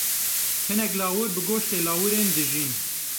Hinek lawir bi goştê lawirên dijîn.